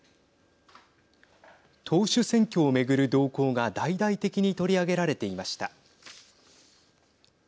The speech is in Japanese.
党首選挙を巡る動向が大々的に取り上げられていました。